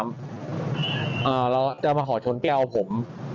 แล้วจะมาขอชนแก้วผม